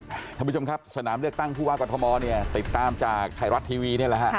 ท่านผู้ชมครับสนามเลือกตั้งผู้ว่ากรทมเนี่ยติดตามจากไทยรัฐทีวีนี่แหละฮะ